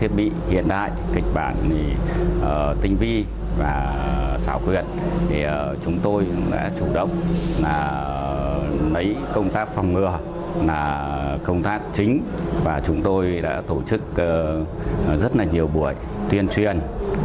mấy công tác phòng ngừa là công tác chính và chúng tôi đã tổ chức rất nhiều buổi tuyên truyền